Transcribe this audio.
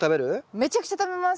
めちゃくちゃ食べます。